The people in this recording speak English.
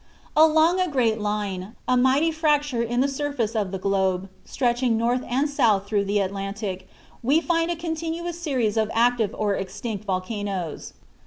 Along a great line, a mighty fracture in the surface of the globe, stretching north and south through the Atlantic, we find a continuous series of active or extinct volcanoes.